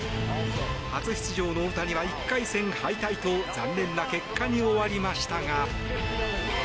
初出場の大谷は１回戦敗退と残念な結果に終わりましたが。